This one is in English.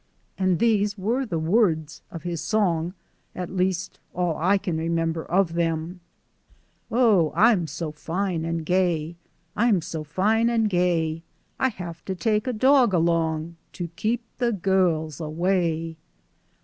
And these were the words of his song at least, all I can remember of them: Oh, I'm so fine and gay, I'm so fine and gay, I have to take a dog along, To kape the ga irls away.